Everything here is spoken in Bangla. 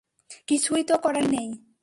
কিছুই তো করার নেই।